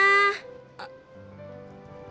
bang udin mau kemana